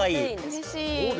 うれしい。